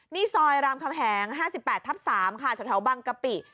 นี่ซอยรามคำแหง๕๘ทับ๓ค่ะแถวบางกะปิ